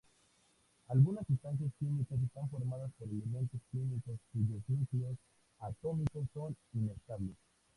Algunas sustancias químicas están formadas por elementos químicos cuyos núcleos atómicos son inestables.